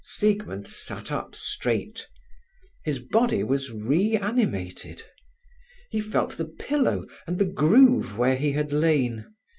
Siegmund sat up straight: his body was re animated. He felt the pillow and the groove where he had lain.